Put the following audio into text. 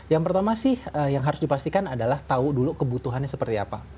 yang pertama sih yang harus dipastikan adalah tahu dulu kebutuhannya seperti apa